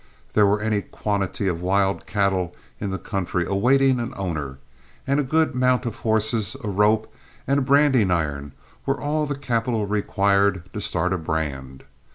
There were any quantity of wild cattle in the country awaiting an owner, and a good mount of horses, a rope, and a branding iron were all the capital required to start a brand.